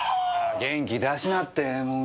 元気出しなってもう。